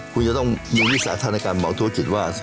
คุณจะต้องยืมวิสัยท่านในการบอกธุรกิจว่า